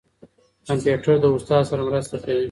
کمپيوټر د استاد سره مرسته کوي.